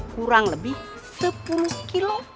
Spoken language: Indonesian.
kurang lebih sepuluh kilo